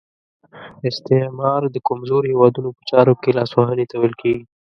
استعمار د کمزورو هیوادونو په چارو کې لاس وهنې ته ویل کیږي.